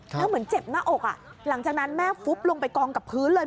แล้วเหมือนเจ็บหน้าอกหลังจากนั้นแม่ฟุบลงไปกองกับพื้นเลย